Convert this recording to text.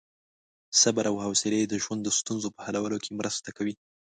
صبر او حوصلې د ژوند د ستونزو په حلولو کې مرسته کوي.